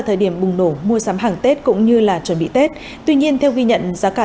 thời điểm bùng nổ mua sắm hàng tết cũng như là chuẩn bị tết tuy nhiên theo ghi nhận giá cả